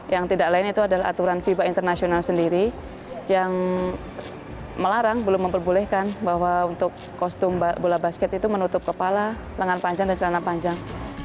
yang tidak lain itu adalah aturan fiba internasional sendiri yang melarang belum memperbolehkan bahwa untuk kostum bola basket itu menutup kepala lengan panjang dan celana panjang